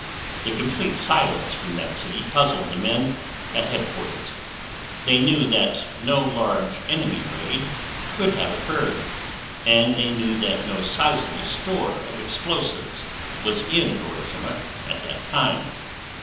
The complete silence from that city puzzled the men at Headquarters; they knew that no large enemy raid could have occurred, and they knew that no sizeable store of explosives was in Hiroshima at that time.